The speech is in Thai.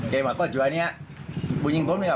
เกย์มาเกาะเก๋วนี้มันยิงพร้อมเงียบ